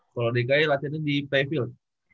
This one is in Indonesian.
kalau dki latihannya di payfield